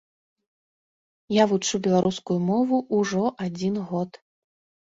Я вучу беларускую мову ўжо адзін год.